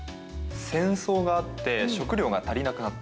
戦争があって食料が足りなくなった。